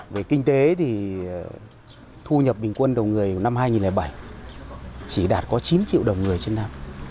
về kinh tế thì thu nhập bình quân đầu người năm hai nghìn bảy chỉ đạt có chín triệu đồng người trên năm